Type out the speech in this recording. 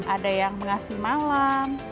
ada yang mengasih malam